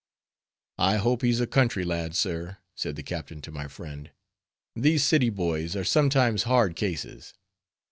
"I hope he's a country lad, sir," said the captain to my friend, "these city boys are sometimes hard cases."